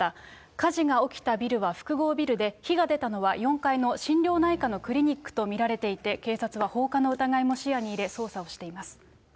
火事が起きたビルは複合ビルで、火が出たのは４階の心療内科のクリニックと見られていて、警察は放火の疑いも視野に入れ、捜査をしています。